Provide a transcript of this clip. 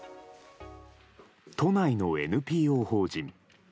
都内のＮＰＯ法人。